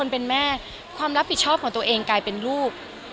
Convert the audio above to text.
เป็นแม่ความรับผิดชอบของตัวเองกลายเป็นลูก